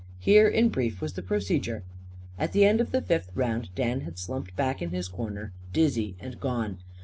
Here, in brief, was the procedure: At the end of the fifth round Dan had slumped back to his corner, dizzy and gone.